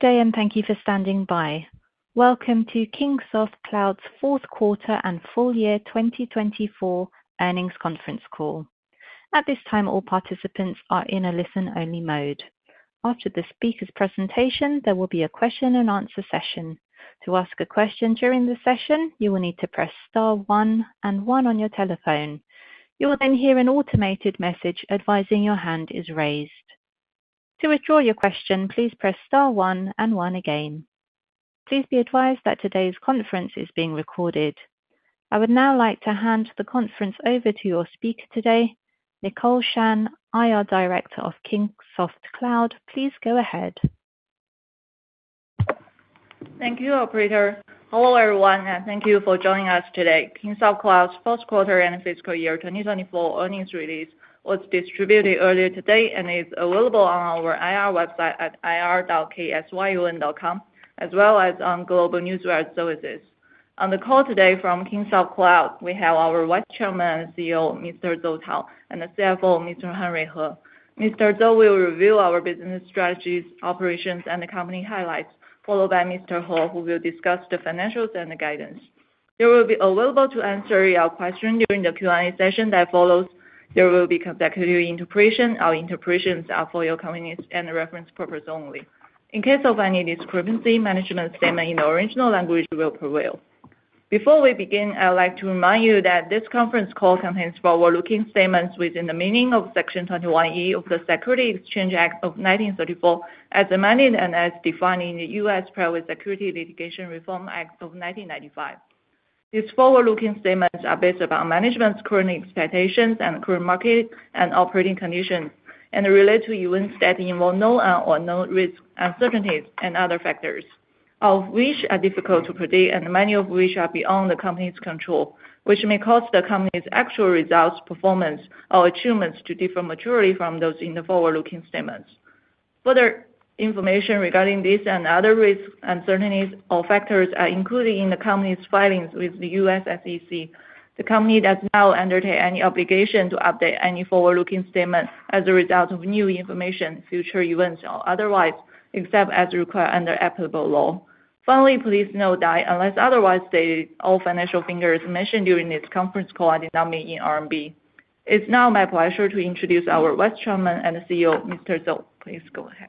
Good day, and thank you for standing by. Welcome to Kingsoft Cloud's fourth quarter and full year 2024 earnings conference call. At this time, all participants are in a listen-only mode. After the speaker's presentation, there will be a question-and-answer session. To ask a question during the session, you will need to press star one and one on your telephone. You will then hear an automated message advising your hand is raised. To withdraw your question, please press star one and one again. Please be advised that today's conference is being recorded. I would now like to hand the conference over to your speaker today, Nicole Shan, IR Director of Kingsoft Cloud. Please go ahead. Thank you, Operator. Hello everyone, and thank you for joining us today. Kingsoft Cloud's first quarter and fiscal year 2024 earnings release was distributed earlier today and is available on our IR website at ir.ksyun.com, as well as on GlobeNewswire services. On the call today from Kingsoft Cloud, we have our Vice Chairman and CEO, Mr. Zou, and the CFO, Mr. Henry He. Mr. Zou will review our business strategies, operations, and company highlights, followed by Mr. He, who will discuss the financials and the guidance. You will be available to answer your questions during the Q&A session that follows. There will be consecutive interpretations. Our interpretations are for your convenience and reference purposes only. In case of any discrepancy, a management statement in the original language will prevail. Before we begin, I'd like to remind you that this conference call contains forward-looking statements within the meaning of Section 21E of the Securities Exchange Act of 1934, as amended and as defined in the U.S. Private Securities Litigation Reform Act of 1995. These forward-looking statements are based upon management's current expectations and current market and operating conditions, and relate to events that involve known and unknown risks, uncertainties, and other factors, which are difficult to predict, and many of which are beyond the company's control, which may cause the company's actual results, performance, or achievements to differ majorly from those in the forward-looking statements. Further information regarding these and other risks, uncertainties, or factors are included in the company's filings with the U.S. SEC. The company does not undertake any obligation to update any forward-looking statement as a result of new information, future events, or otherwise, except as required under applicable law. Finally, please note that unless otherwise stated, all financial figures mentioned during this conference call are denominated in RMB. It's now my pleasure to introduce our Vice Chairman and CEO, Mr. Zou. Please go ahead.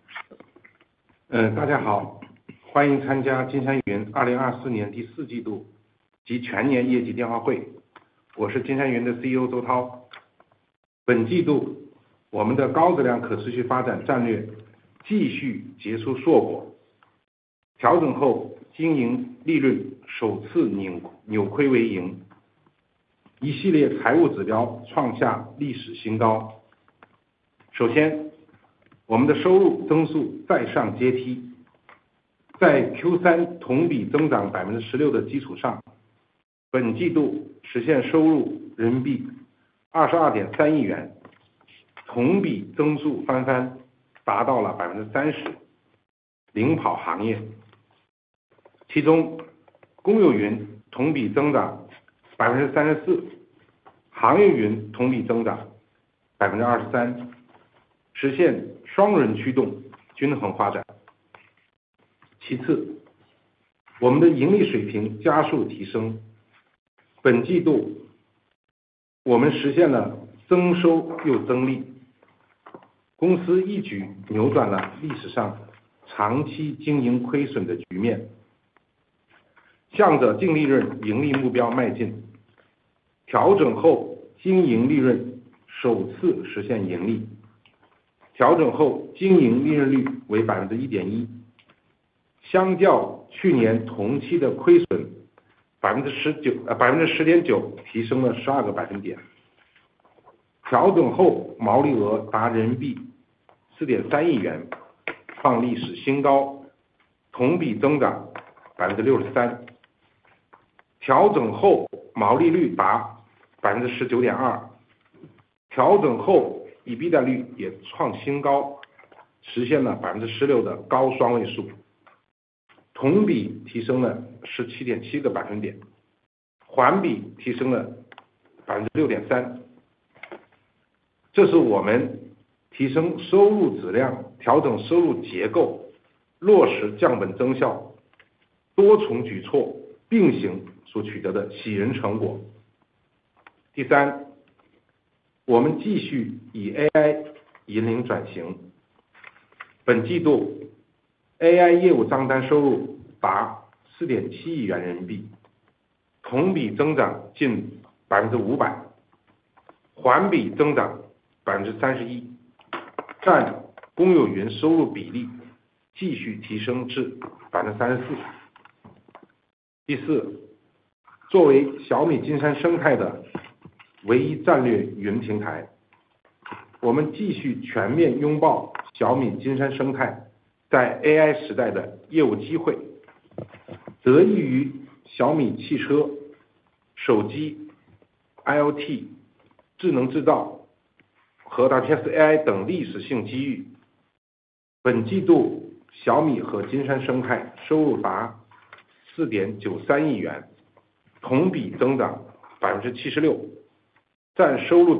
Hello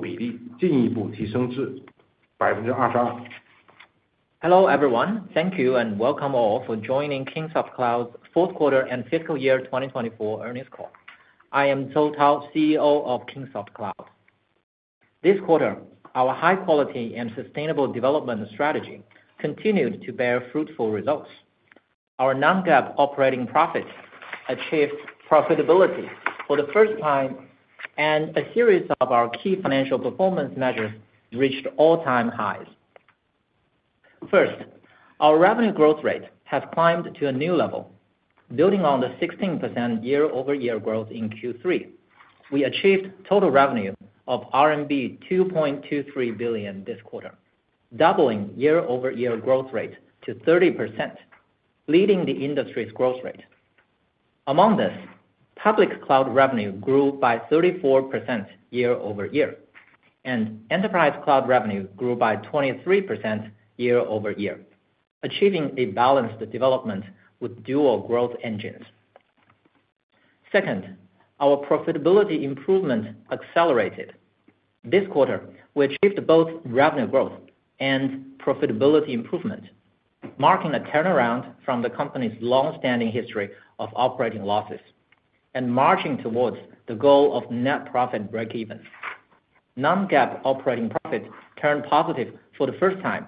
everyone, thank you and welcome all for joining Kingsoft Cloud's fourth quarter and fiscal year 2024 earnings call. I am Zou Tao, CEO of Kingsoft Cloud. This quarter, our high-quality and sustainable development strategy continued to bear fruitful results. Our non-GAAP operating profits achieved profitability for the first time, and a series of our key financial performance measures reached all-time highs. First, our revenue growth rate has climbed to a new level. Building on the 16% year-over-year growth in Q3, we achieved total revenue of RMB 2.23 billion this quarter, doubling year-over-year growth rate to 30%, leading the industry's growth rate. Among this, public cloud revenue grew by 34% year-over-year, and enterprise cloud revenue grew by 23% year-over-year, achieving a balanced development with dual growth engines. Second, our profitability improvement accelerated. This quarter, we achieved both revenue growth and profitability improvement, marking a turnaround from the company's long-standing history of operating losses and marching towards the goal of net profit breakeven. Non-GAAP operating profits turned positive for the first time,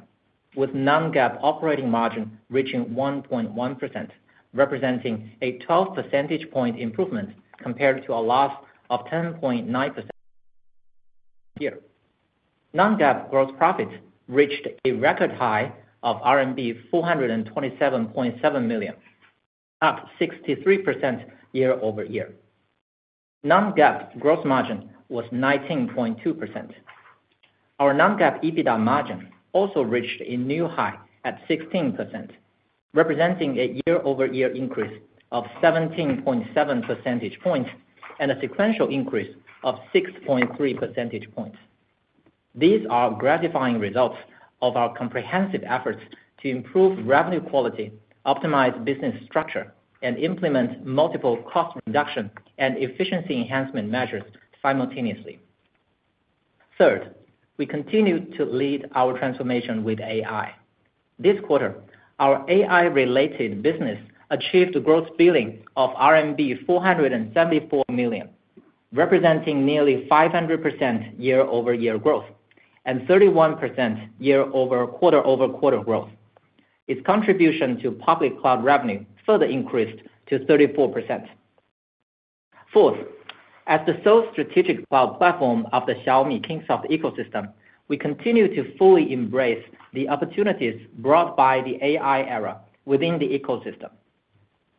with non-GAAP operating margin reaching 1.1%, representing a 12 percentage point improvement compared to a loss of 10.9%. Non-GAAP gross profits reached a record high of RMB 427.7 million, up 63% year-over-year. Non-GAAP gross margin was 19.2%. Our non-GAAP EBITDA margin also reached a new high at 16%, representing a year-over-year increase of 17.7 percentage points and a sequential increase of 6.3 percentage points. These are gratifying results of our comprehensive efforts to improve revenue quality, optimize business structure, and implement multiple cost reduction and efficiency enhancement measures simultaneously. Third, we continue to lead our transformation with AI. This quarter, our AI-related business achieved a gross billing of RMB 474 million, representing nearly 500% year-over-year growth and 31% quarter-over-quarter growth. Its contribution to public cloud revenue further increased to 34%. Fourth, as the sole strategic cloud platform of the Xiaomi Kingsoft ecosystem, we continue to fully embrace the opportunities brought by the AI era within the ecosystem.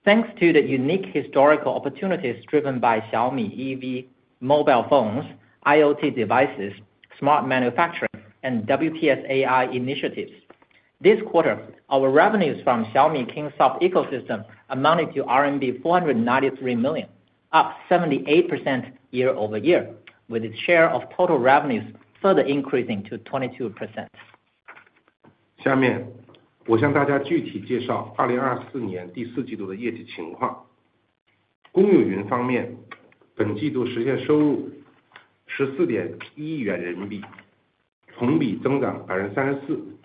Thanks to the unique historical opportunities driven by Xiaomi EV, mobile phones, IoT devices, smart manufacturing, and WPS AI initiatives, this quarter, our revenues from Xiaomi Kingsoft ecosystem amounted to RMB 493 million, up 78% year-over-year, with its share of total revenues further increasing to 22%. 下面我向大家具体介绍2024年第四季度的业绩情况。公有云方面，本季度实现收入14.1亿元人民币，同比增长34%，得益于小米AI全面赋能人车加全生态、金山WTS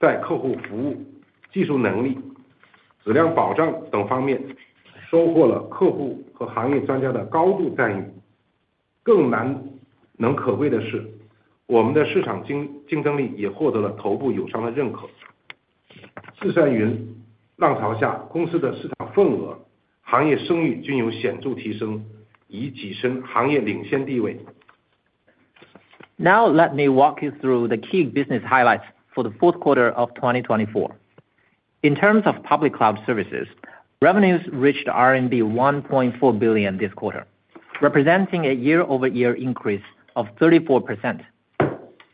Now let me walk you through the key business highlights for the fourth quarter of 2024. In terms of public cloud services, revenues reached RMB 1.4 billion this quarter, representing a year-over-year increase of 34%,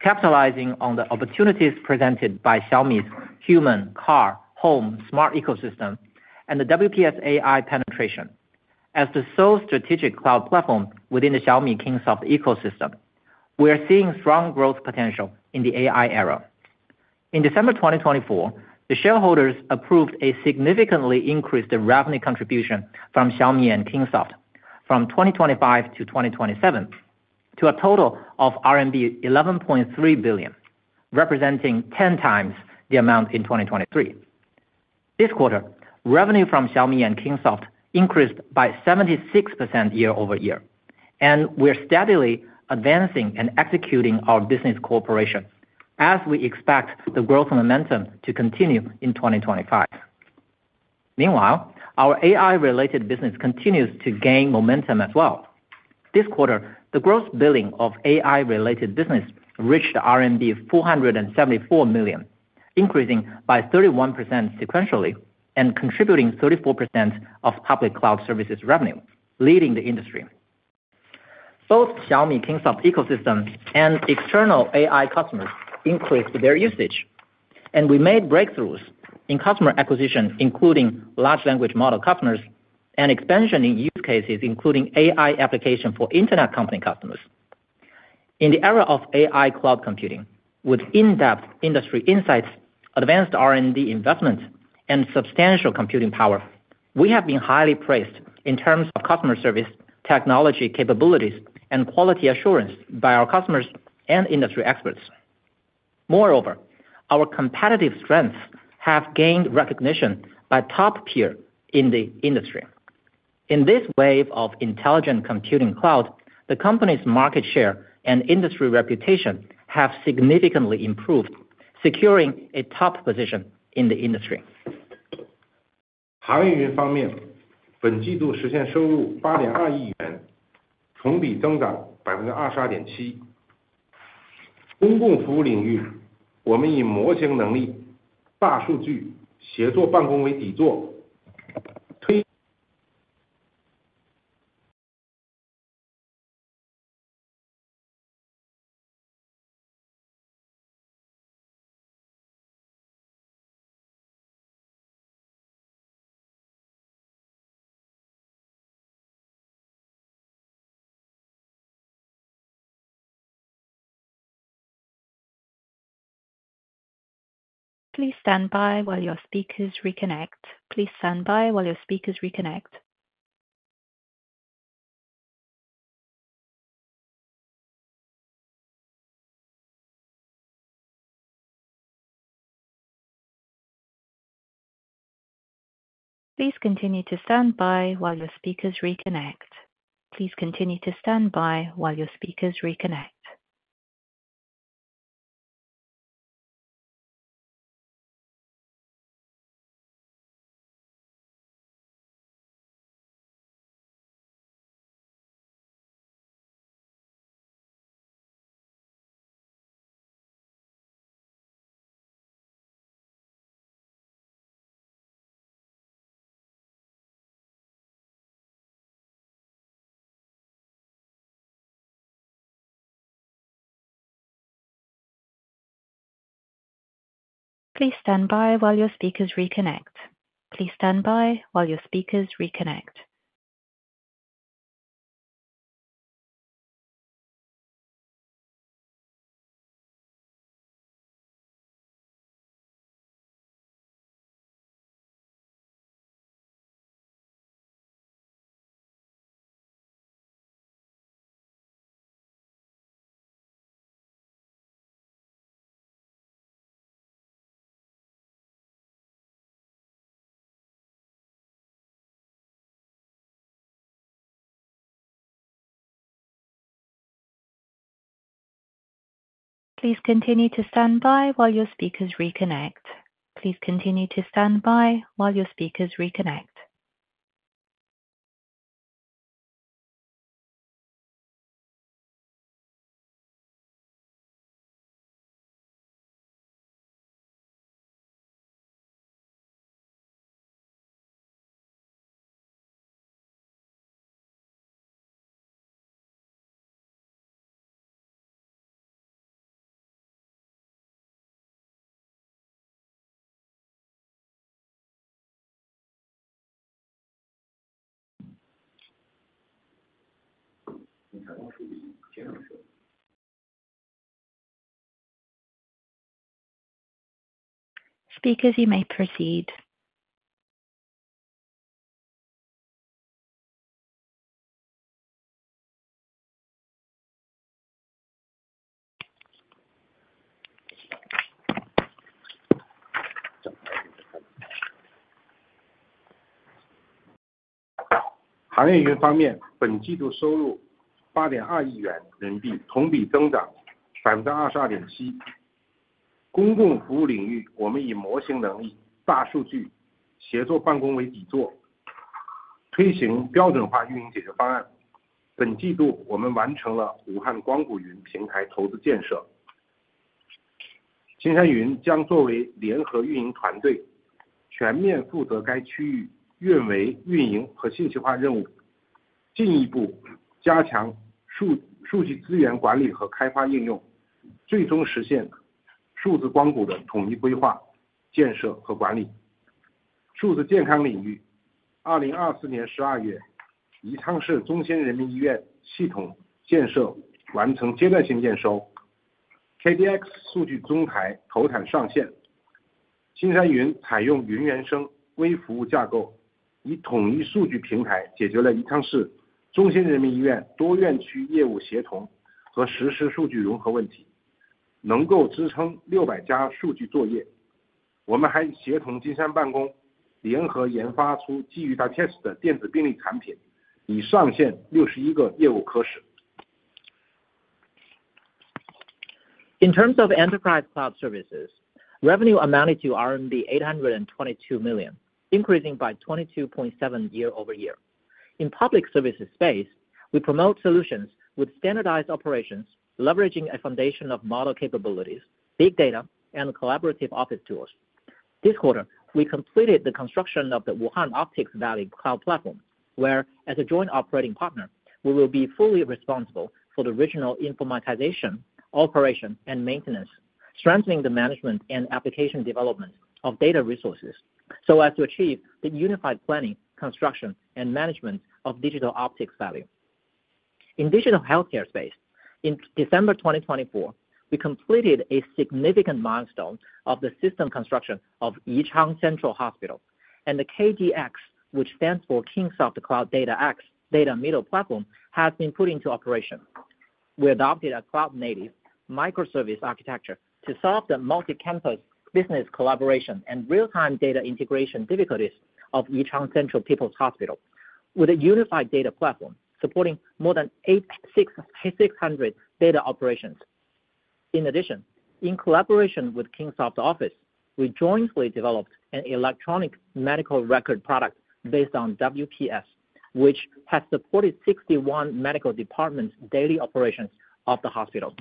capitalizing on the opportunities presented by Xiaomi's human, car, home, smart ecosystem, and the WPS AI penetration. As the sole strategic cloud platform within the Xiaomi Kingsoft ecosystem, we are seeing strong growth potential in the AI era. In December 2024, the shareholders approved a significantly increased revenue contribution from Xiaomi and Kingsoft from 2025 to 2027 to a total of RMB 11.3 billion, representing 10 times the amount in 2023. This quarter, revenue from Xiaomi and Kingsoft increased by 76% year-over-year, and we are steadily advancing and executing our business cooperation as we expect the growth momentum to continue in 2025. Meanwhile, our AI-related business continues to gain momentum as well. This quarter, the gross billing of AI-related business reached RMB 474 million, increasing by 31% sequentially and contributing 34% of public cloud services revenue, leading the industry. Both Xiaomi Kingsoft ecosystem and external AI customers increased their usage, and we made breakthroughs in customer acquisition, including large language model customers, and expansion in use cases, including AI applications for internet company customers. In the era of AI cloud computing, with in-depth industry insights, advanced R&D investment, and substantial computing power, we have been highly praised in terms of customer service, technology capabilities, and quality assurance by our customers and industry experts. Moreover, our competitive strengths have gained recognition by top tier in the industry. In this wave of intelligent computing cloud, the company's market share and industry reputation have significantly improved, securing a top position in the industry. Please stand by while your speakers reconnect. Please continue to stand by while your speakers reconnect. Speakers, you may proceed. In terms of enterprise cloud services, revenue amounted to RMB 822 million, increasing by 22.7% year-over-year. In public services space, we promote solutions with standardized operations, leveraging a foundation of model capabilities, big data, and collaborative office tools. This quarter, we completed the construction of the Wuhan Optics Valley Cloud Platform, where, as a joint operating partner, we will be fully responsible for the regional informatization, operation, and maintenance, strengthening the management and application development of data resources so as to achieve the unified planning, construction, and management of Digital Optics Valley. In digital healthcare space, in December 2024, we completed a significant milestone of the system construction of Yichang Central Hospital, and the KDX, which stands for Kingsoft Cloud Data X Data Middle Platform, has been put into operation. We adopted a cloud-native microservice architecture to solve the multi-campus business collaboration and real-time data integration difficulties of Yichang Central People's Hospital, with a unified data platform supporting more than 600 data operations. In addition, in collaboration with Kingsoft Office, we jointly developed an electronic medical record product based on WPS AI, which has supported 61 medical departments' daily operations of the hospital.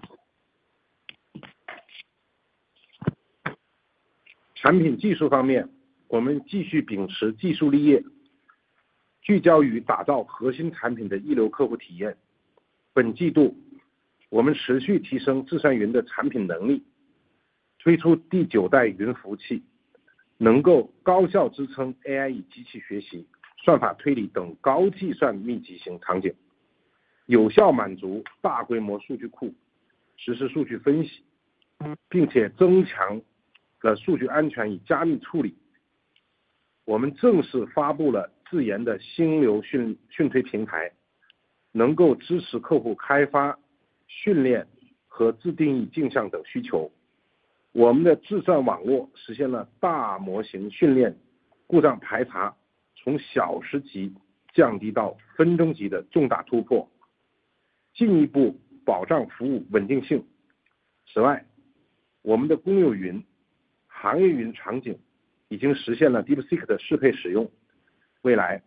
In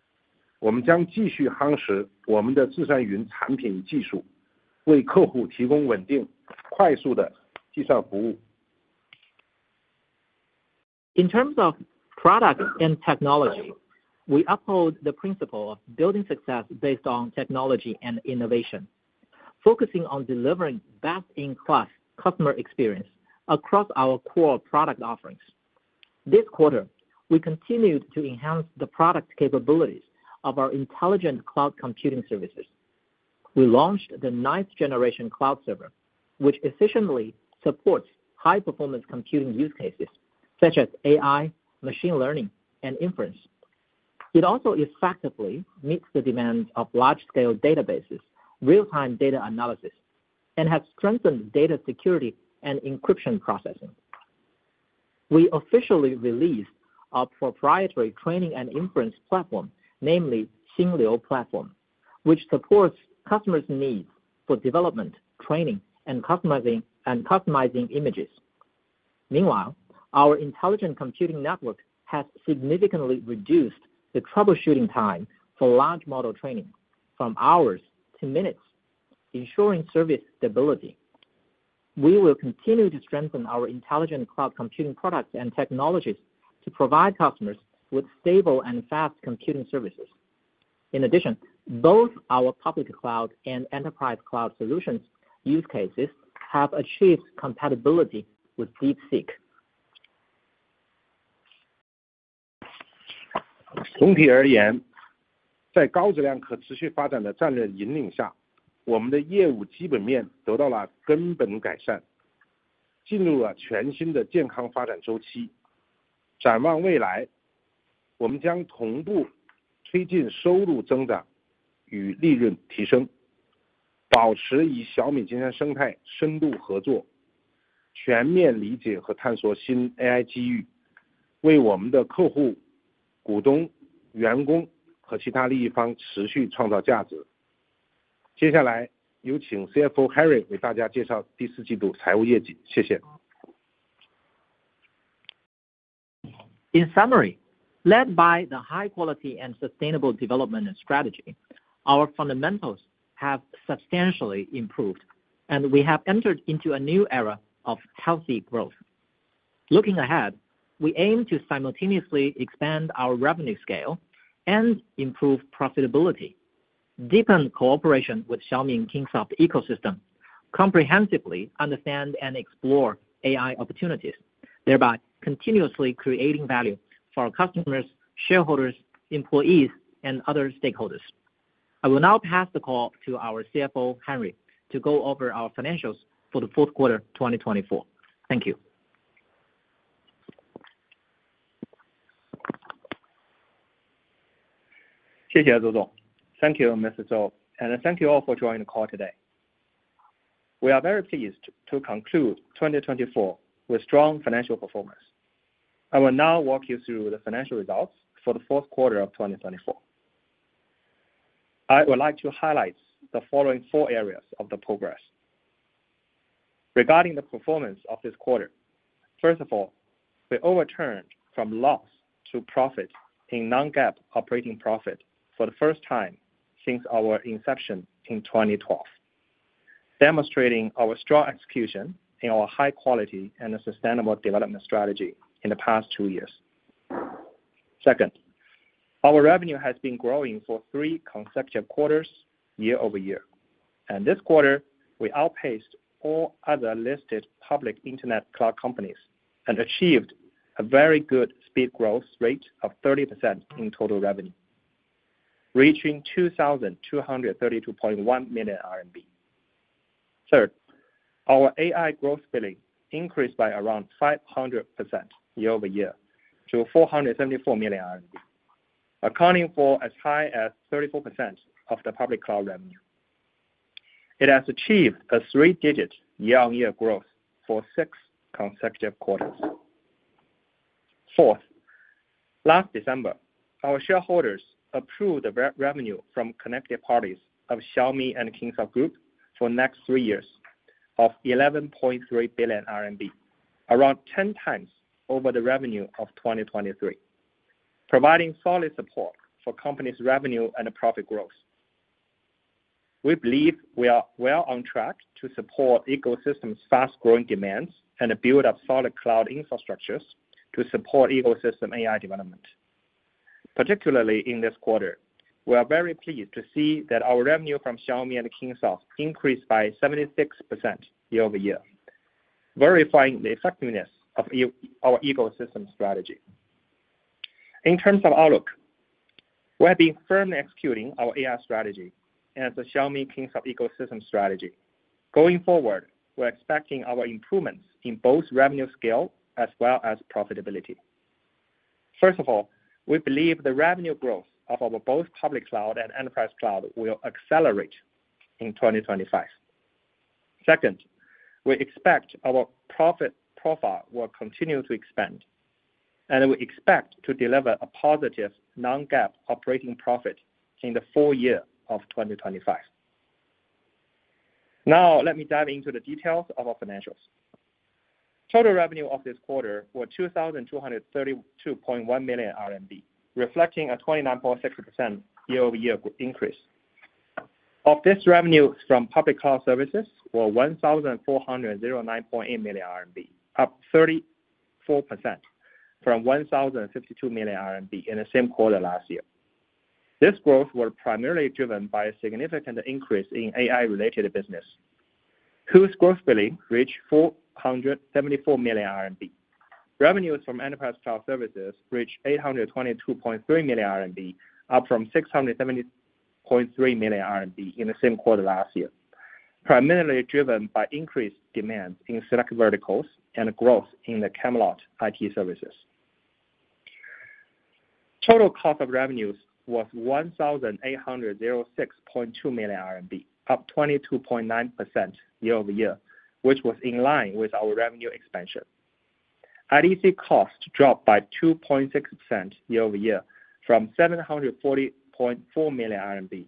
terms of product and technology, we uphold the principle of building success based on technology and innovation, focusing on delivering best-in-class customer experience across our core product offerings. This quarter, we continued to enhance the product capabilities of our intelligent cloud computing services. We launched the ninth-generation cloud server, which efficiently supports high-performance computing use cases such as AI, machine learning, and inference. It also effectively meets the demands of large-scale databases, real-time data analysis, and has strengthened data security and encryption processing. We officially released our proprietary training and inference platform, namely Xinliu Platform, which supports customers' needs for development, training, and customizing images. Meanwhile, our intelligent computing network has significantly reduced the troubleshooting time for large model training from hours to minutes, ensuring service stability. We will continue to strengthen our intelligent cloud computing products and technologies to provide customers with stable and fast computing services. In addition, both our public cloud and enterprise cloud solutions use cases have achieved compatibility with DeepSeek. In summary, led by the high-quality and sustainable development strategy, our fundamentals have substantially improved, and we have entered into a new era of healthy growth. Looking ahead, we aim to simultaneously expand our revenue scale and improve profitability, deepen cooperation with Xiaomi and Kingsoft ecosystem, comprehensively understand and explore AI opportunities, thereby continuously creating value for our customers, shareholders, employees, and other stakeholders. I will now pass the call to our CFO Henry to go over our financials for the fourth quarter 2024. Thank you. 谢谢周总。Thank you, Mr. Zhou, and thank you all for joining the call today. We are very pleased to conclude 2024 with strong financial performance. I will now walk you through the financial results for the fourth quarter of 2024. I would like to highlight the following four areas of the progress. Regarding the performance of this quarter, first of all, we overturned from loss to profit in non-GAAP operating profit for the first time since our inception in 2012, demonstrating our strong execution in our high-quality and sustainable development strategy in the past two years. Second, our revenue has been growing for three consecutive quarters year-over-year, and this quarter, we outpaced all other listed public internet cloud companies and achieved a very good speed growth rate of 30% in total revenue, reaching 2,232.1 million RMB. Third, our AI growth split increased by around 500% year-over-year to 474 million RMB, accounting for as high as 34% of the public cloud revenue. It has achieved a three-digit year-on-year growth for six consecutive quarters. Fourth, last December, our shareholders approved the revenue from connected parties of Xiaomi and Kingsoft Group for the next three years of 11.3 billion RMB, around 10 times over the revenue of 2023, providing solid support for the company's revenue and profit growth. We believe we are well on track to support the ecosystem's fast-growing demands and build up solid cloud infrastructures to support ecosystem AI development. Particularly in this quarter, we are very pleased to see that our revenue from Xiaomi and Kingsoft increased by 76% year-over-year, verifying the effectiveness of our ecosystem strategy. In terms of outlook, we have been firmly executing our AI strategy and the Xiaomi Kingsoft ecosystem strategy. Going forward, we're expecting our improvements in both revenue scale as well as profitability. First of all, we believe the revenue growth of both public cloud and enterprise cloud will accelerate in 2025. Second, we expect our profit profile will continue to expand, and we expect to deliver a positive non-GAAP operating profit in the full year of 2025. Now, let me dive into the details of our financials. Total revenue of this quarter was 2,232.1 million RMB, reflecting a 29.6% year-over-year increase. Of this, revenue from public cloud services was 1,409.8 million RMB, up 34% from 1,052 million RMB in the same quarter last year. This growth was primarily driven by a significant increase in AI-related business, whose growth split reached 474 million RMB. Revenues from enterprise cloud services reached 822.3 million RMB, up from 670.3 million RMB in the same quarter last year, primarily driven by increased demand in select verticals and growth in the Camelot IT services. Total cost of revenues was 1,806.2 million RMB, up 22.9% year-over-year, which was in line with our revenue expansion. IDC costs dropped by 2.6% year-over-year from 740.4 million RMB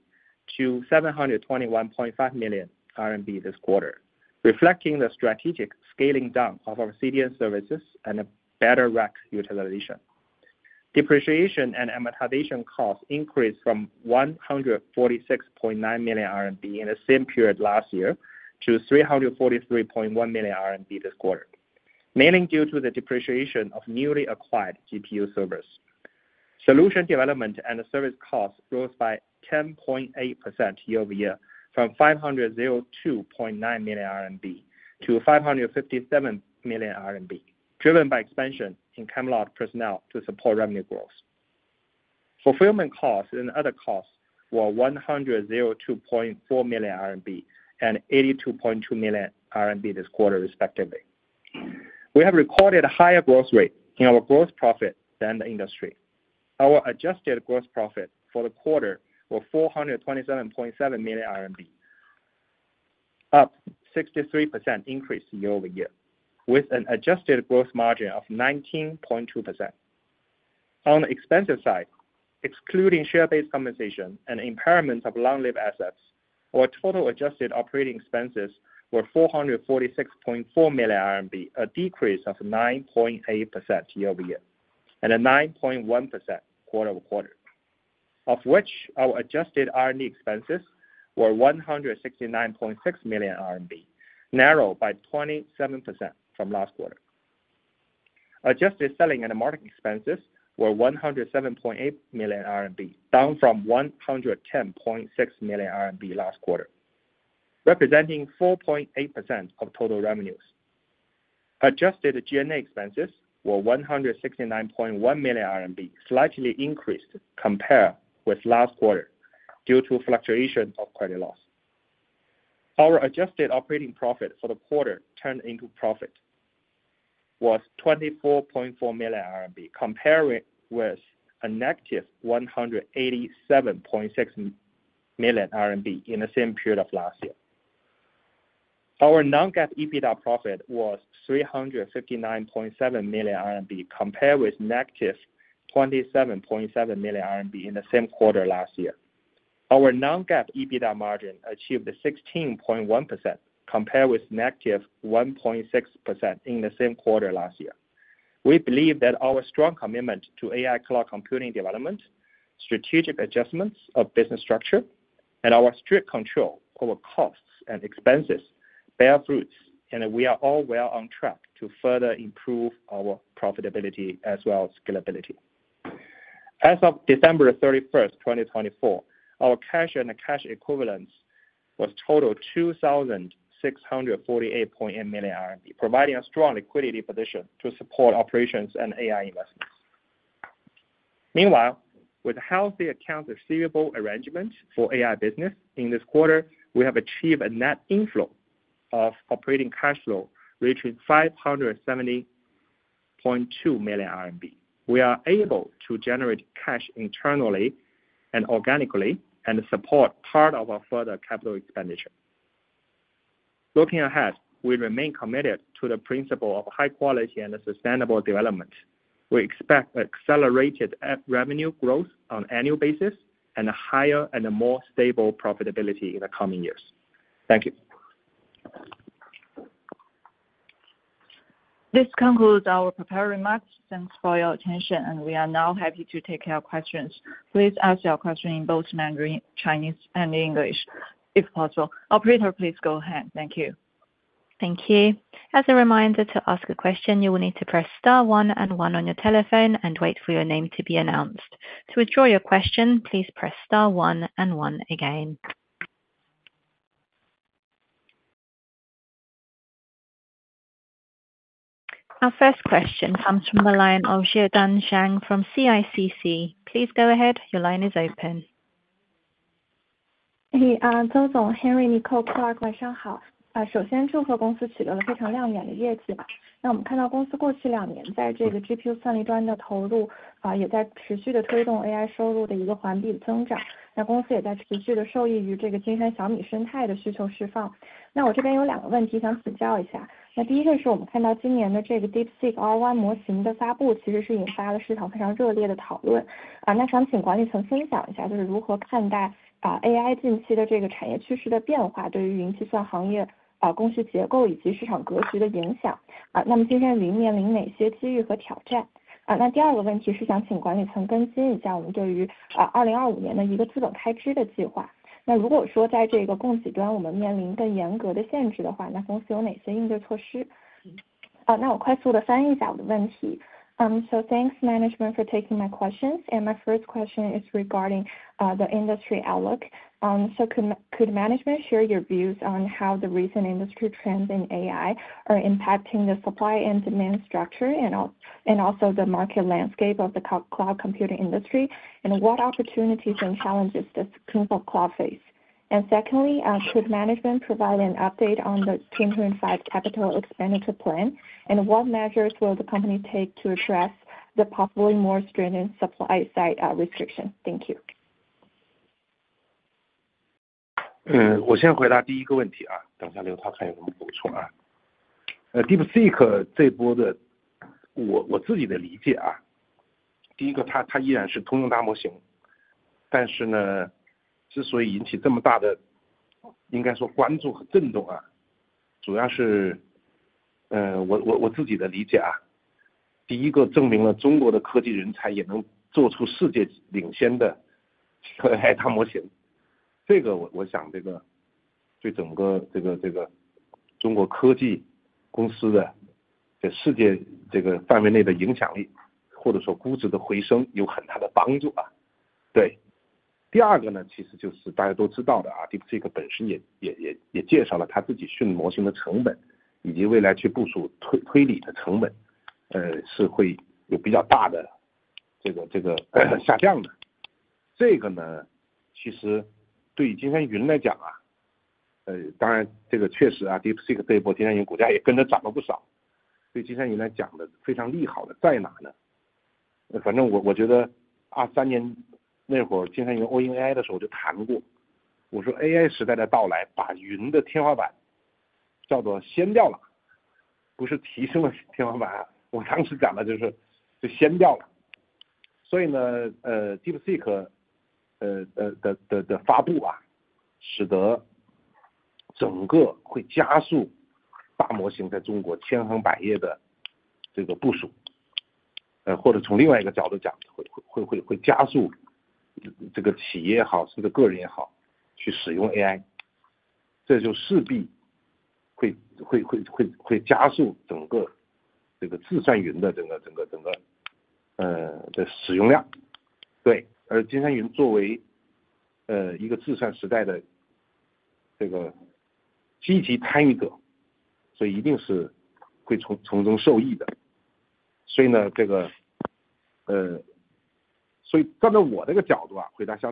to 721.5 million RMB this quarter, reflecting the strategic scaling down of our CDN services and a better rack utilization. Depreciation and amortization costs increased from 146.9 million RMB in the same period last year to 343.1 million RMB this quarter, mainly due to the depreciation of newly acquired GPU servers. Solution development and service costs rose by 10.8% year-over-year from 502.9 million RMB to 557 million RMB, driven by expansion in Camelot personnel to support revenue growth. Fulfillment costs and other costs were 102.4 million RMB and 82.2 million RMB this quarter, respectively. We have recorded a higher growth rate in our gross profit than the industry. Our adjusted gross profit for the quarter was 427.7 million RMB, up 63% year-over-year, with an adjusted gross margin of 19.2%. On the expense side, excluding share-based compensation and impairment of long-lived assets, our total adjusted operating expenses were 446.4 million RMB, a decrease of 9.8% year-over-year and 9.1% quarter-over-quarter, of which our adjusted R&D expenses were 169.6 million RMB, narrowed by 27% from last quarter. Adjusted selling and marketing expenses were 107.8 million RMB, down from 110.6 million RMB last quarter, representing 4.8% of total revenues. Adjusted G&A expenses were 169.1 million RMB, slightly increased compared with last quarter due to fluctuation of credit loss. Our adjusted operating profit for the quarter turned into profit was 24.4 million RMB, compared with a negative 187.6 million RMB in the same period of last year. Our non-GAAP EBITDA profit was 359.7 million RMB, compared with negative 27.7 million RMB in the same quarter last year. Our non-GAAP EBITDA margin achieved 16.1%, compared with negative 1.6% in the same quarter last year. We believe that our strong commitment to AI cloud computing development, strategic adjustments of business structure, and our strict control over costs and expenses bear fruit, and we are all well on track to further improve our profitability as well as scalability. As of December 31, 2024, our cash and cash equivalents were a total of 2,648.8 million RMB, providing a strong liquidity position to support operations and AI investments. Meanwhile, with healthy accounts receivable arrangement for AI business in this quarter, we have achieved a net inflow of operating cash flow reaching 570.2 million RMB. We are able to generate cash internally and organically and support part of our further capital expenditure. Looking ahead, we remain committed to the principle of high quality and sustainable development. We expect accelerated revenue growth on an annual basis and a higher and more stable profitability in the coming years. Thank you. This concludes our prepared remarks. Thanks for your attention, and we are now happy to take your questions. Please ask your question in both Mandarin, Chinese, and English if possible. Operator, please go ahead. Thank you. Thank you. As a reminder to ask a question, you will need to press star one and one on your telephone and wait for your name to be announced. To withdraw your question, please press star one and one again. Our first question comes from the line of Xie Dan Shang from CICC. Please go ahead. Your line is open. Hey, Zhou Zong, Henry, Nico, Clark, Lai Shanhao. 首先，祝贺公司取得了非常亮眼的业绩。我们看到公司过去两年在这个 GPU 算力端的投入，也在持续地推动 AI 收入的一个环比增长。公司也在持续地受益于这个金山小米生态的需求释放。我这边有两个问题想请教一下。第一个是我们看到今年的这个 DeepSeek R1 模型的发布，其实是引发了市场非常热烈的讨论。想请管理层分享一下就是如何看待 AI 近期的这个产业趋势的变化，对于云计算行业供需结构以及市场格局的影响。那么今年云面临哪些机遇和挑战？第二个问题是想请管理层更新一下我们对于 2025 年的一个资本开支的计划。如果说在这个供给端我们面临更严格的限制的话，那公司有哪些应对措施？我快速地翻译一下我的问题。Thank you, management, for taking my questions. My first question is regarding the industry outlook. Could management share your views on how the recent industry trends in AI are impacting the supply and demand structure, and also the market landscape of the cloud computing industry, and what opportunities and challenges does Kingsoft Cloud face? Secondly, could management provide an update on the 2025 capital expenditure plan, and what measures will the company take to address the possibly more stringent supply-side restrictions? Thank you. model open-sourcing and in model capabilities based on reinforcement learning, or in multi-modal reinforcement learning model capabilities. This has, to some extent, also driven internal competition within the large language model industry. In terms of training, this is also somewhat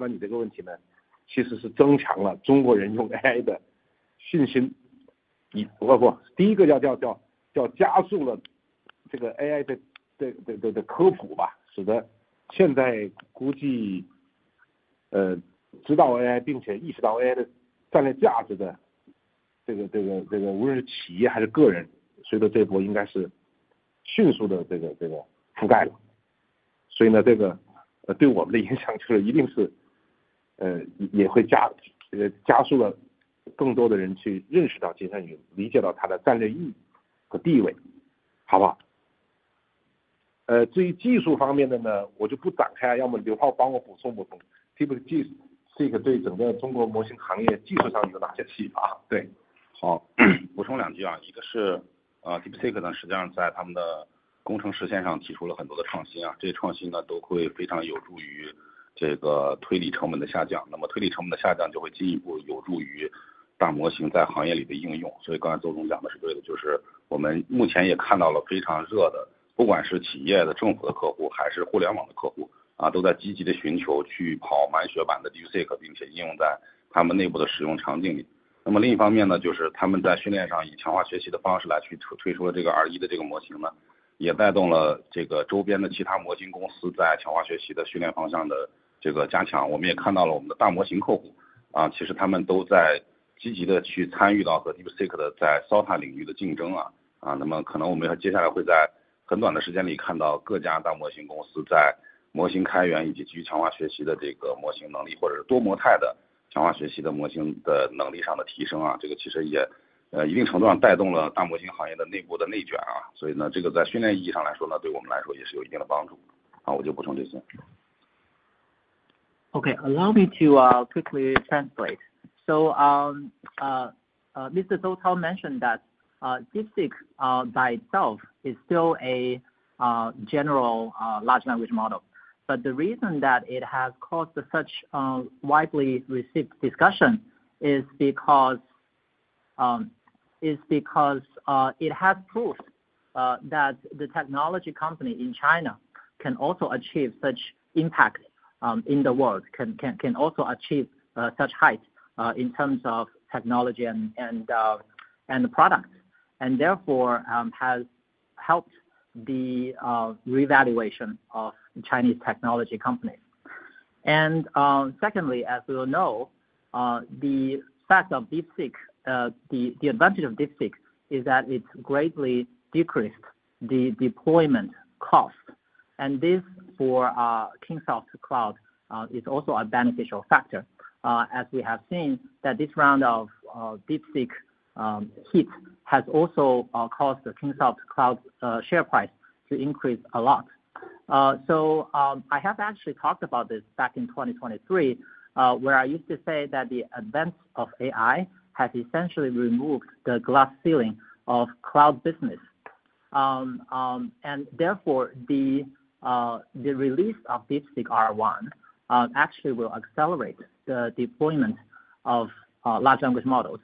helpful for us. That is all I will add. Okay. Allow me to quickly translate. Mr. Zhou Zong mentioned that DeepSeek by itself is still a general large language model. The reason that it has caused such widely received discussion is because it has proved that the technology company in China can also achieve such impact in the world, can also achieve such height in terms of technology and product, and therefore has helped the revaluation of Chinese technology companies. Secondly, as we all know, the fact of DeepSeek, the advantage of DeepSeek is that it greatly decreased the deployment cost. This for Kingsoft Cloud is also a beneficial factor, as we have seen that this round of DeepSeek heat has also caused the Kingsoft Cloud share price to increase a lot. I have actually talked about this back in 2023, where I used to say that the advance of AI has essentially removed the glass ceiling of cloud business. Therefore, the release of DeepSeek R1 actually will accelerate the deployment of large language models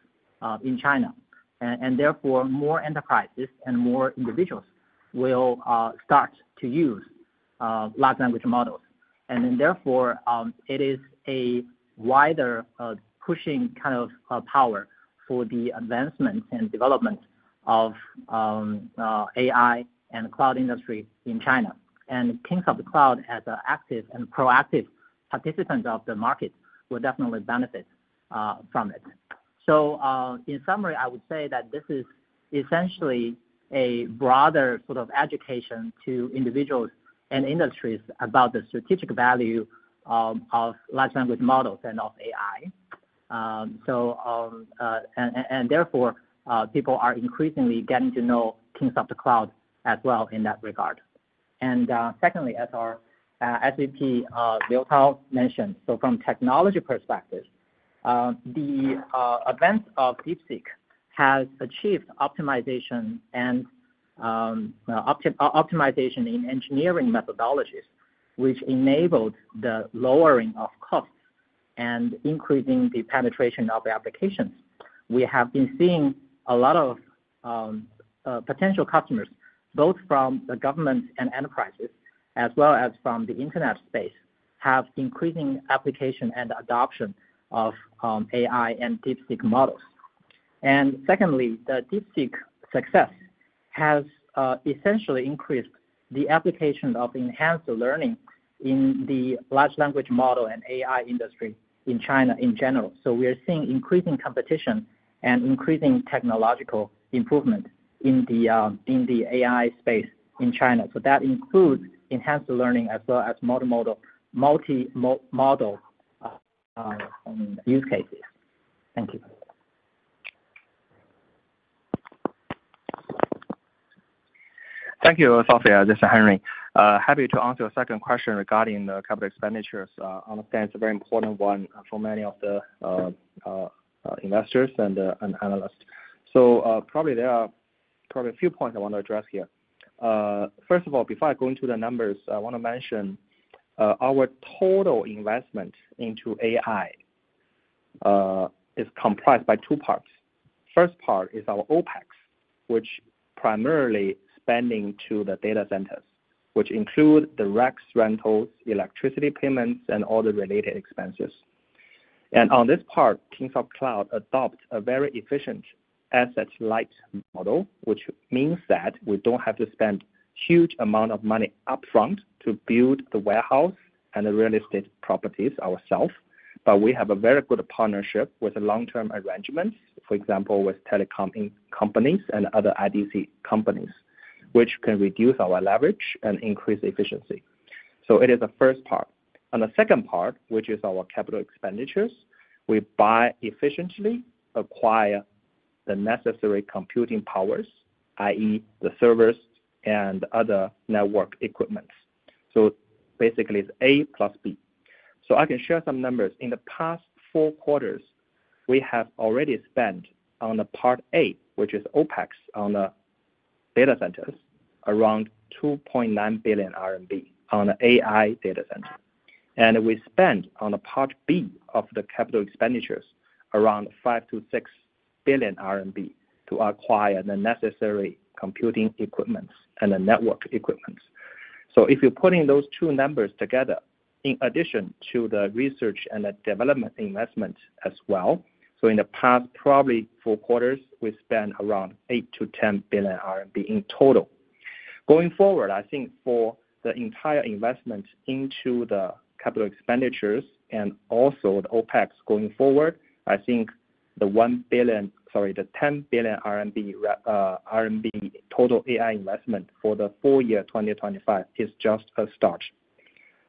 in China. Therefore, more enterprises and more individuals will start to use large language models. It is a wider pushing kind of power for the advancement and development of AI and cloud industry in China. Kingsoft Cloud as an active and proactive participant of the market will definitely benefit from it. In summary, I would say that this is essentially a broader sort of education to individuals and industries about the strategic value of large language models and of AI. Therefore, people are increasingly getting to know Kingsoft Cloud as well in that regard. Secondly, as our SVP Liu Tao mentioned, from a technology perspective, the advance of DeepSeek has achieved optimization and optimization in engineering methodologies, which enabled the lowering of costs and increasing the penetration of applications. We have been seeing a lot of potential customers, both from the government and enterprises, as well as from the internet space, have increasing application and adoption of AI and DeepSeek models. Secondly, the DeepSeek success has essentially increased the application of enhanced learning in the large language model and AI industry in China in general. We are seeing increasing competition and increasing technological improvement in the AI space in China. That includes enhanced learning as well as multimodal use cases. Thank you. Thank you, Sophie, and Mr. Henry. Happy to answer your second question regarding the capital expenditures. I understand it's a very important one for many of the investors and analysts. There are probably a few points I want to address here. First of all, before I go into the numbers, I want to mention our total investment into AI is comprised by two parts. First part is our OPEX, which is primarily spending to the data centers, which include the racks, rentals, electricity payments, and all the related expenses. On this part, Kingsoft Cloud adopts a very efficient asset light model, which means that we do not have to spend a huge amount of money upfront to build the warehouse and the real estate properties ourselves. We have a very good partnership with long-term arrangements, for example, with telecom companies and other IDC companies, which can reduce our leverage and increase efficiency. It is the first part. On the second part, which is our capital expenditures, we buy efficiently, acquire the necessary computing powers, i.e., the servers and other network equipment. Basically, it is A plus B. I can share some numbers. In the past four quarters, we have already spent on the part A, which is OPEX on the data centers, around 2.9 billion RMB on the AI data center. We spent on the part B of the capital expenditures around 5-6 billion RMB to acquire the necessary computing equipments and the network equipments. If you are putting those two numbers together, in addition to the research and the development investment as well, in the past probably four quarters, we spent around 8-10 billion RMB in total. Going forward, I think for the entire investment into the capital expenditures and also the OPEX going forward, I think the 10 billion RMB total AI investment for the full year 2025 is just a start.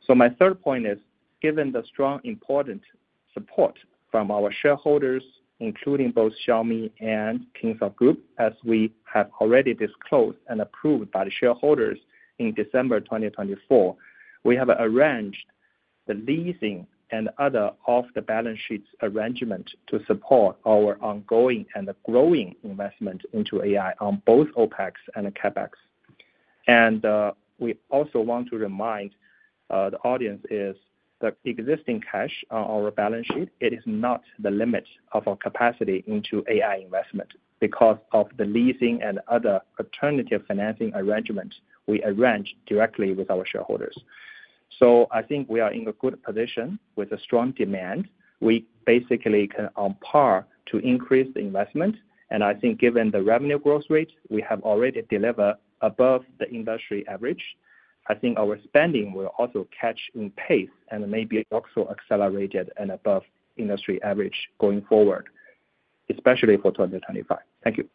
My third point is, given the strong important support from our shareholders, including both Xiaomi and Kingsoft Group, as we have already disclosed and approved by the shareholders in December 2024, we have arranged the leasing and other off-the-balance sheet arrangements to support our ongoing and growing investment into AI on both OPEX and CAPEX. We also want to remind the audience that the existing cash on our balance sheet is not the limit of our capacity into AI investment because of the leasing and other alternative financing arrangements we arrange directly with our shareholders. I think we are in a good position with a strong demand. We basically can on par to increase the investment. I think given the revenue growth rate, we have already delivered above the industry average. I think our spending will also catch in pace and maybe also accelerated and above industry average going forward, especially for 2025. Thank you.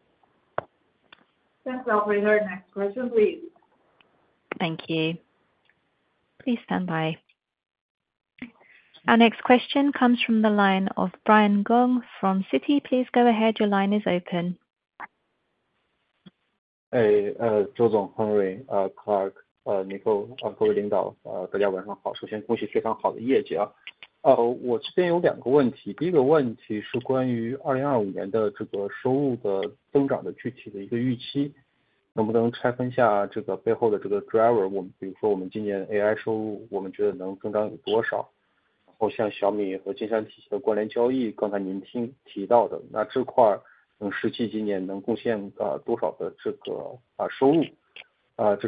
Thanks, Sophie. Your next question, please. Thank you. Please stand by. Our next question comes from the line of Brian Gong from Citi. Please go ahead. Your line is open. Hey, Zhou Zong, Henry, Clark, Nico, 各位领导，大家晚上好。首先恭喜非常好的业绩。我这边有两个问题。第一个问题是关于2025年的收入的增长的具体的一个预期，能不能拆分下背后的 driver，比如说我们今年 AI 收入我们觉得能增长有多少，然后像小米和金山体系的关联交易，刚才您提到的，这块能实际今年能贡献多少的收入。这是第一个问题。第二个问题就是想很快问一下，我们这个 margin 表现得非常好，想问一下我们觉得长期的利润率能够达到多少。我自己翻一下。Thanks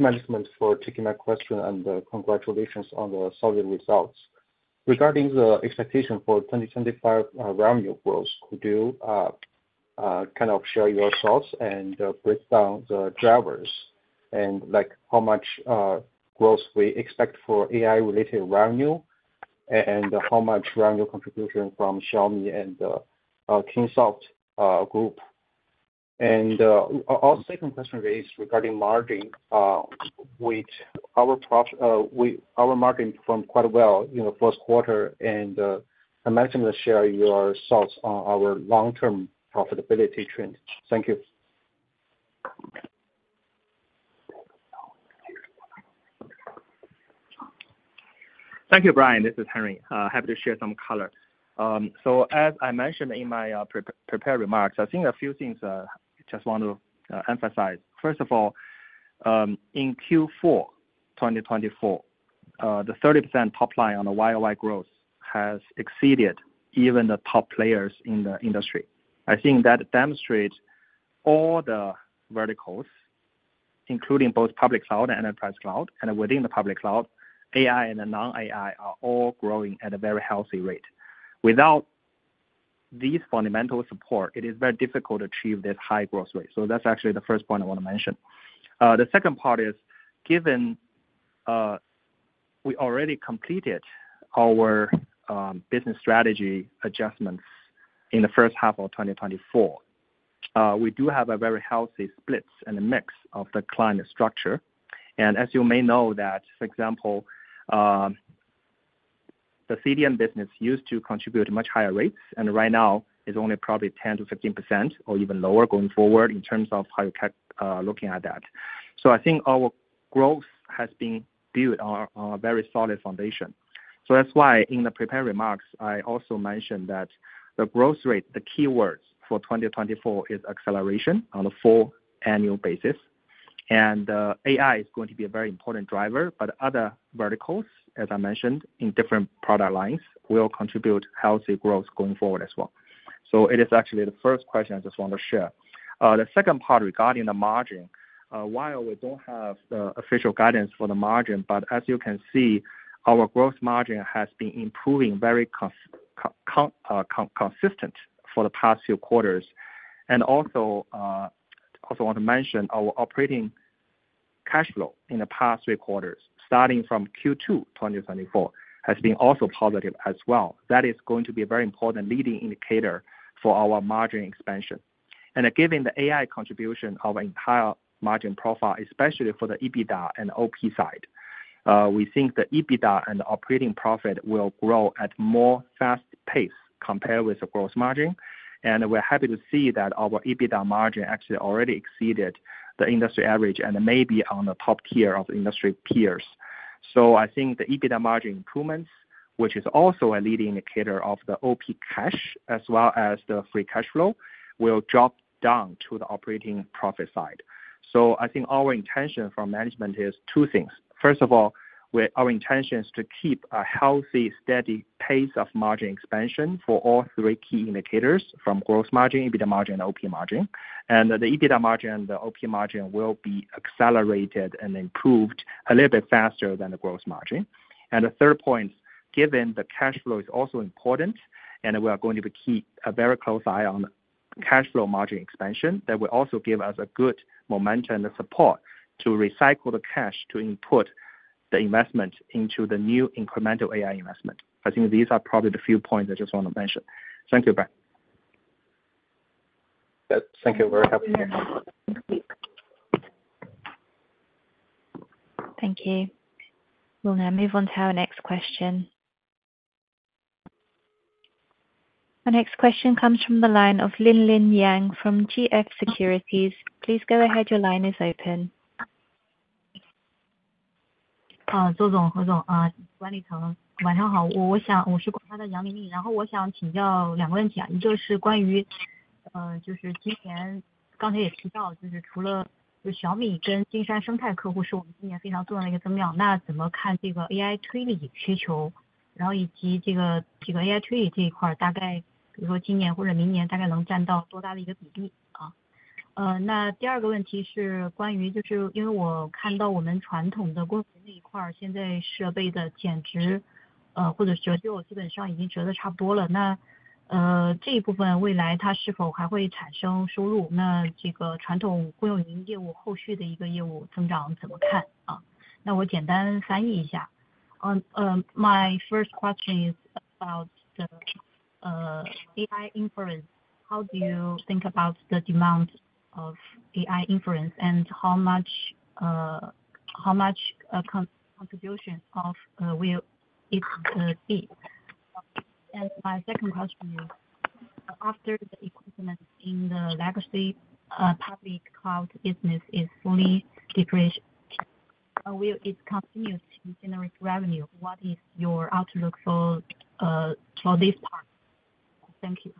management for taking my question and congratulations on the solid results. Regarding the expectation for 2025 revenue growth, could you kind of share your thoughts and break down the drivers and how much growth we expect for AI-related revenue and how much revenue contribution from Xiaomi and Kingsoft Group? Our second question is regarding margin. Our margin performed quite well in the first quarter. I'd like to share your thoughts on our long-term profitability trend. Thank you. Thank you, Brian. This is Henry. Happy to share some color. As I mentioned in my prepared remarks, I think a few things I just want to emphasize. First of all, in Q4 2024, the 30% top line on the YOY growth has exceeded even the top players in the industry. I think that demonstrates all the verticals, including both public cloud and enterprise cloud, and within the public cloud, AI and the non-AI are all growing at a very healthy rate. Without these fundamental support, it is very difficult to achieve this high growth rate. That is actually the first point I want to mention. The second part is, given we already completed our business strategy adjustments in the first half of 2024, we do have a very healthy split and a mix of the client structure. As you may know, for example, the CDN business used to contribute much higher rates, and right now it is only probably 10-15% or even lower going forward in terms of how you are looking at that. I think our growth has been built on a very solid foundation. That is why in the prepared remarks, I also mentioned that the growth rate, the keywords for 2024, is acceleration on a full annual basis. AI is going to be a very important driver, but other verticals, as I mentioned, in different product lines will contribute healthy growth going forward as well. It is actually the first question I just want to share. The second part regarding the margin, while we do not have official guidance for the margin, as you can see, our gross margin has been improving very consistently for the past few quarters. I also want to mention our operating cash flow in the past three quarters, starting from Q2 2024, has been positive as well. That is going to be a very important leading indicator for our margin expansion. Given the AI contribution of our entire margin profile, especially for the EBITDA and OP side, we think the EBITDA and the operating profit will grow at a more fast pace compared with the gross margin. We are happy to see that our EBITDA margin actually already exceeded the industry average and maybe is in the top tier of industry peers. I think the EBITDA margin improvements, which is also a leading indicator of the OP cash as well as the free cash flow, will drop down to the operating profit side. I think our intention for management is two things. First of all, our intention is to keep a healthy, steady pace of margin expansion for all three key indicators from gross margin, EBITDA margin, and OP margin. The EBITDA margin and the OP margin will be accelerated and improved a little bit faster than the gross margin. The third point, given the cash flow is also important, and we are going to keep a very close eye on cash flow margin expansion, that will also give us a good momentum and support to recycle the cash to input the investment into the new incremental AI investment. I think these are probably the few points I just want to mention. Thank you, Brian. Thank you. We're happy to hear more. Thank you. We'll now move on to our next question. Our next question comes from the line of Linlin Yang from GF Securities. Please go ahead. Your line is open. My first question is about the AI inference. How do you think about the demand of AI inference and how much contribution will it be? And my second question is, after the equipment in the legacy public cloud business is fully depleted, will it continue to generate revenue? What is your outlook for this part? Thank you.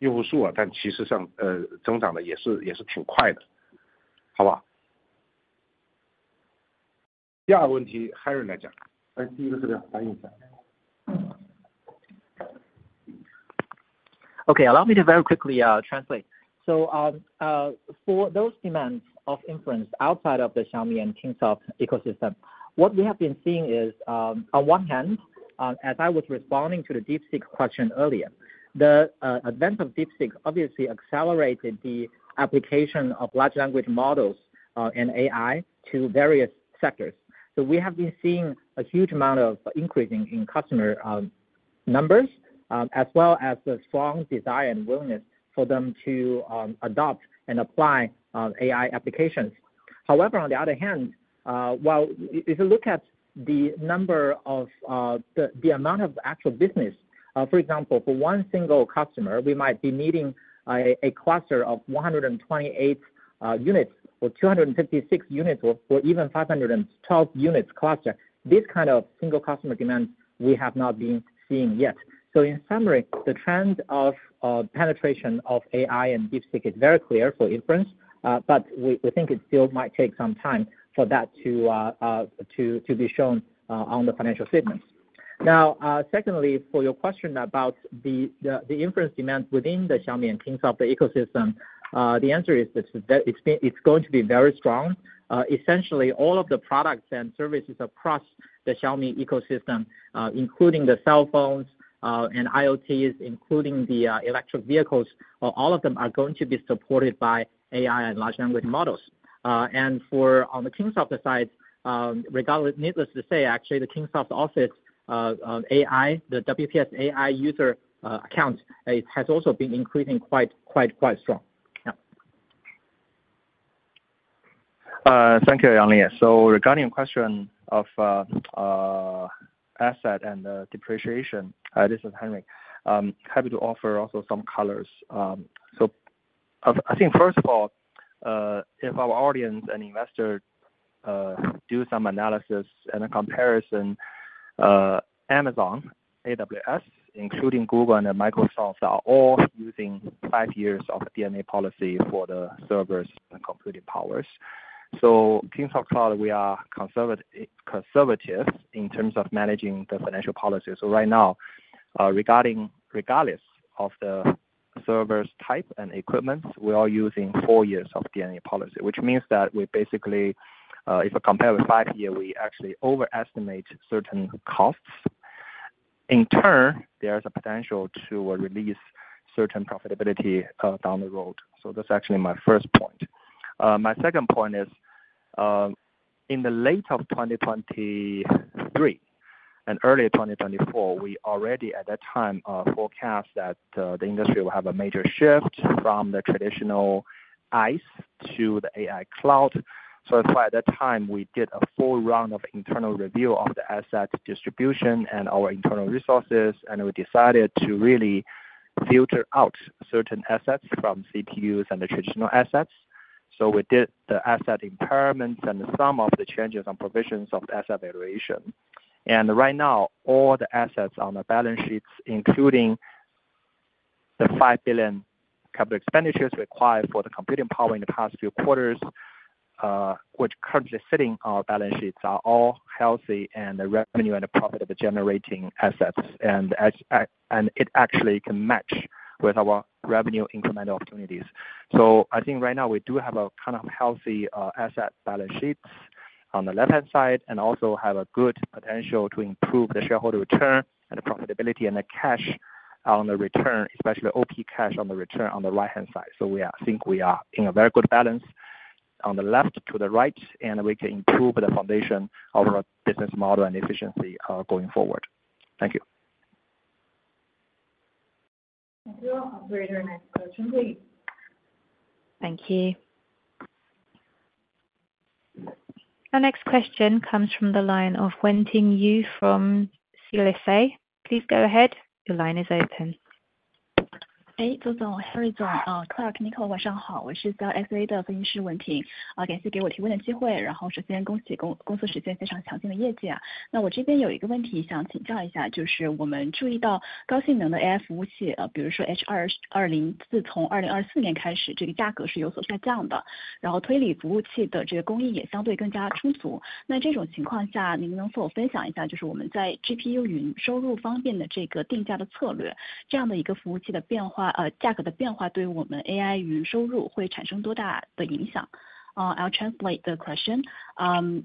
Okay. Allow me to very quickly translate. For those demands of inference outside of the Xiaomi and Kingsoft ecosystem, what we have been seeing is, on one hand, as I was responding to the DeepSeek question earlier, the advent of DeepSeek obviously accelerated the application of large language models and AI to various sectors. We have been seeing a huge amount of increasing in customer numbers, as well as the strong desire and willingness for them to adopt and apply AI applications. However, on the other hand, if you look at the number of the amount of actual business, for example, for one single customer, we might be needing a cluster of 128 units or 256 units or even 512 units cluster. This kind of single customer demand we have not been seeing yet. In summary, the trend of penetration of AI and DeepSeek is very clear for inference, but we think it still might take some time for that to be shown on the financial statements. Secondly, for your question about the inference demand within the Xiaomi and Kingsoft ecosystem, the answer is that it's going to be very strong. Essentially, all of the products and services across the Xiaomi ecosystem, including the cell phones and IoTs, including the electric vehicles, all of them are going to be supported by AI and large language models. On the Kingsoft side, needless to say, actually, the Kingsoft Office AI, the WPS AI user account has also been increasing quite strong. Thank you, Yanli. Regarding the question of asset and depreciation, this is Henry. Happy to offer also some colors. I think, first of all, if our audience and investor do some analysis and a comparison, Amazon, AWS, including Google and Microsoft, are all using five years of DNA policy for the servers and computing powers. Kingsoft Cloud, we are conservative in terms of managing the financial policy. Right now, regardless of the server's type and equipment, we are using four years of D&A policy, which means that we basically, if we compare with five years, we actually overestimate certain costs. In turn, there is a potential to release certain profitability down the road. That's actually my first point. My second point is, in the late of 2023 and early 2024, we already at that time forecast that the industry will have a major shift from the traditional IaaS to the AI cloud. That is why at that time we did a full round of internal review of the asset distribution and our internal resources, and we decided to really filter out certain assets from CPUs and the traditional assets. We did the asset impairments and some of the changes and provisions of asset valuation. Right now, all the assets on the balance sheets, including the 5 billion capital expenditures required for the computing power in the past few quarters, which currently sitting on our balance sheets, are all healthy and the revenue and the profit of the generating assets, and it actually can match with our revenue incremental opportunities. I think right now we do have a kind of healthy asset balance sheets on the left-hand side and also have a good potential to improve the shareholder return and the profitability and the cash on the return, especially OP cash on the return on the right-hand side. I think we are in a very good balance on the left to the right, and we can improve the foundation of our business model and efficiency going forward. Thank you. Thank you. Very nice question. Thank you. Our next question comes from the line of Wenting Yu from CLSA. Please go ahead. Your line is open. cloud revenue? I'll translate the question.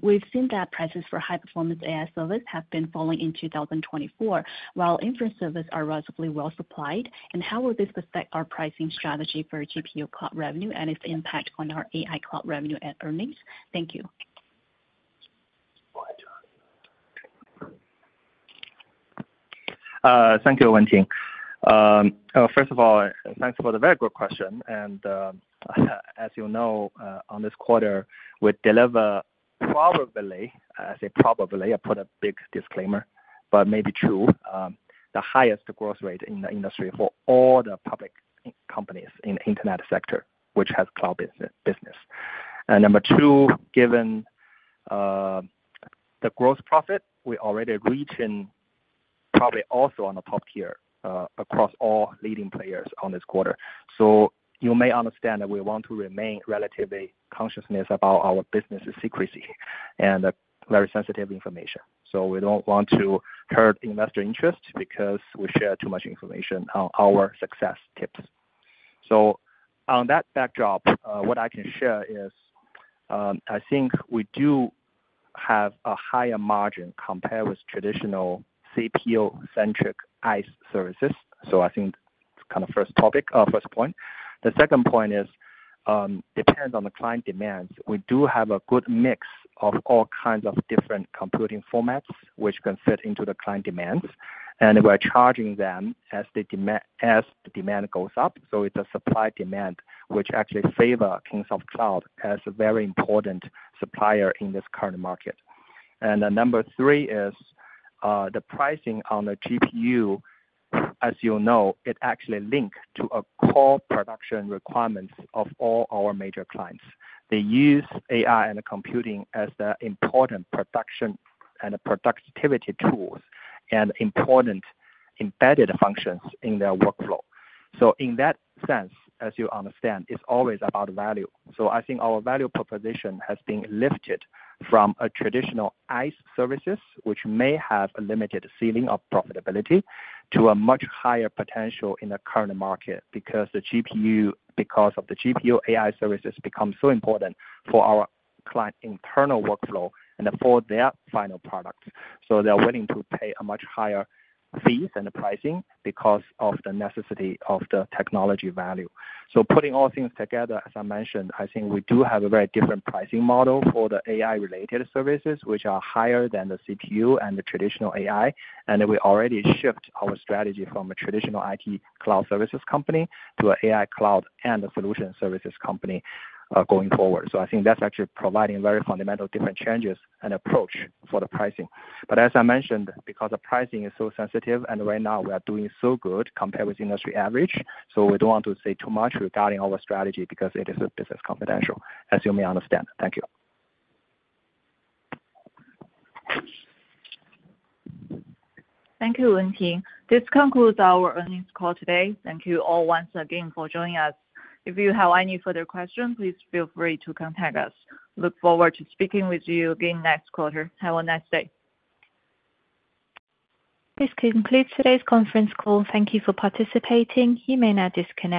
We've seen that prices for high-performance AI service have been falling in 2024, while inference services are relatively well supplied. How will this affect our pricing strategy for GPU cloud revenue and its impact on our AI cloud revenue and earnings? Thank you. Thank you, Wenting. First of all, thanks for the very good question. As you know, on this quarter, we deliver probably, I say probably, I put a big disclaimer, but maybe true, the highest growth rate in the industry for all the public companies in the internet sector, which has cloud business. Number two, given the gross profit, we already reached probably also on the top tier across all leading players on this quarter. You may understand that we want to remain relatively conscious about our business secrecy and very sensitive information. We do not want to hurt investor interest because we share too much information on our success tips. On that backdrop, what I can share is I think we do have a higher margin compared with traditional CPU-centric ICE services. I think it is kind of first topic, first point. The second point is, depends on the client demands, we do have a good mix of all kinds of different computing formats, which can fit into the client demands. We are charging them as the demand goes up. It is a supply demand, which actually favors Kingsoft Cloud as a very important supplier in this current market. Number three is the pricing on the GPU, as you know, it actually links to core production requirements of all our major clients. They use AI and computing as the important production and productivity tools and important embedded functions in their workflow. In that sense, as you understand, it is always about value. I think our value proposition has been lifted from traditional IT services, which may have a limited ceiling of profitability, to a much higher potential in the current market because the GPU AI services become so important for our client internal workflow and for their final products. They are willing to pay much higher fees and pricing because of the necessity of the technology value. Putting all things together, as I mentioned, I think we do have a very different pricing model for the AI-related services, which are higher than the CPU and the traditional AI. We already shifted our strategy from a traditional IT cloud services company to an AI cloud and solution services company going forward. I think that's actually providing very fundamental different changes and approach for the pricing. As I mentioned, because the pricing is so sensitive and right now we are doing so good compared with industry average, we do not want to say too much regarding our strategy because it is a business confidential, as you may understand. Thank you. Thank you, Wenting. This concludes our earnings call today. Thank you all once again for joining us. If you have any further questions, please feel free to contact us. Look forward to speaking with you again next quarter. Have a nice day. Please complete today's conference call. Thank you for participating. You may now disconnect.